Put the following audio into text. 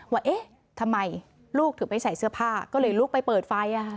ว่าเอ๊ะทำไมลูกถึงไม่ใส่เสื้อผ้าก็เลยลุกไปเปิดไฟ